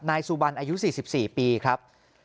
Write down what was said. นายสุบันอายุ๔๔ปีครับ